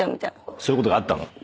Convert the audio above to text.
そういうことがあったの？